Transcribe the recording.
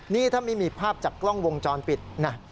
นี่ถ้าไม่มีภาพจากกล้องวงจรปิดนะ